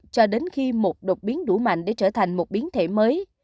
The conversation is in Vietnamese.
cho đến khi một đột biến đủ mạnh để trở thành một biến thể mới